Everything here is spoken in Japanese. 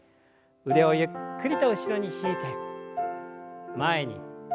腕をゆっくりと後ろに引いて前に。